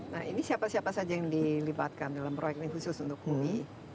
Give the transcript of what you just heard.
nah ini siapa siapa saja yang dilibatkan dalam proyek ini khusus untuk umi